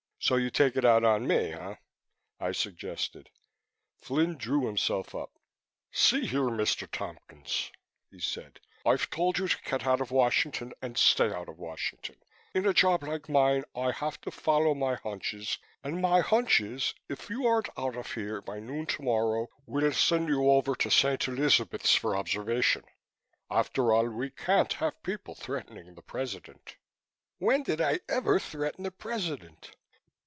"So you take it out on me, eh?" I suggested. Flynn drew himself up. "See here, Mr. Tompkins," he said, "I've told you to get out of Washington and stay out of Washington. In a job like mine I have to follow my hunches and my hunch is that if you aren't out of here by noon tomorrow we'll send you over to St. Elizabeth's for observation. After all, we can't have people threatening the President." "When did I ever threaten the President?"